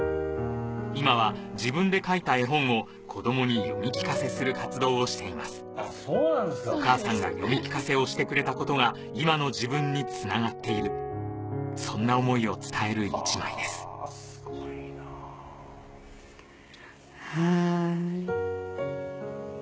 今は自分で描いた絵本を子どもに読み聞かせする活動をしていますお母さんが読み聞かせをしてくれたことが今の自分につながっているそんな想いを伝える１枚ですはい。